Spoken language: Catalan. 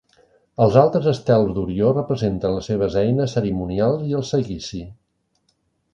Els altres estels d'Orió representen les seves eines cerimonials i el seguici.